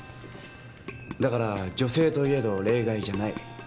だから女性といえど例外じゃない。